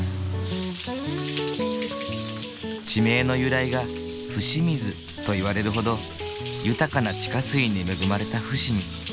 地名の由来が「伏水」といわれるほど豊かな地下水に恵まれた伏見。